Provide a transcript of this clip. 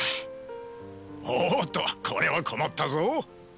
おっとこれは困ったぞ。